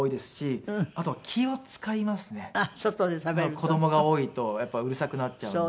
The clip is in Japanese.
子供が多いとやっぱりうるさくなっちゃうんで。